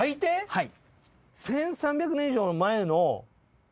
はい！